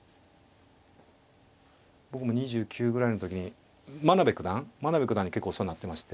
僕も２９ぐらいの時に真部九段真部九段に結構お世話になってまして。